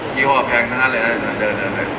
กี่โทรศัพท์แพงทั้งเลยได้